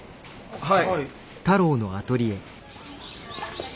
はい！